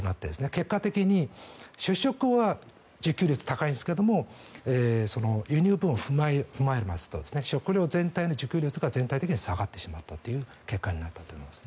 結果的に主食は自給率が高いんですが輸入分を踏まえますと食料全体の自給率が全体的に下がってしまう結果になってしまうと思います。